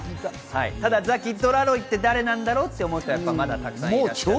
ただザ・キッド・ラロイって誰なんだろって思う人はまだたくさんいますから。